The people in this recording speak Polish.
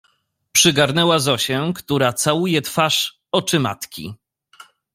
Przygarnęła Zosię, która całuje twarz, oczy matki.